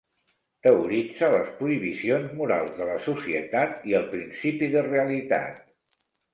Teoritze les prohibicions morals de la societat i el principi de realitat.